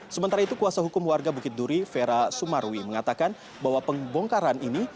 sementara itu kuasa hukum warga bukit duri vera sumarwi mengatakan bahwa pembongkaran ini